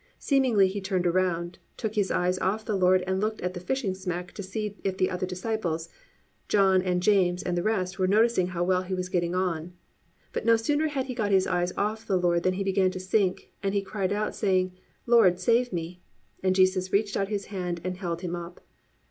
Seemingly he turned around, took his eyes off the Lord and looked at the fishing smack to see if the other disciples, John and James, and the rest, were noticing how well he was getting on, but no sooner had he got his eyes off the Lord than he began to sink, and he cried out saying, "Lord, save me," and Jesus reached out His hand and held him up.